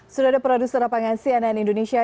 sudah ada produser apangasi aneh aneh indonesia